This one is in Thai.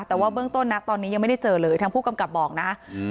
แต่ว่าเบื้องต้นนะตอนนี้ยังไม่ได้เจอเลยทางผู้กำกับบอกนะอืม